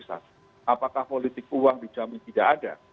apakah politik uang dijamin tidak ada